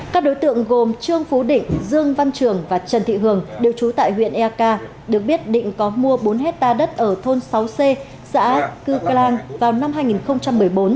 các đối tượng gồm trương phú định dương văn trường và trần thị hường đều trú tại huyện eak được biết định có mua bốn hectare đất ở thôn sáu c xã cư clang vào năm hai nghìn một mươi bốn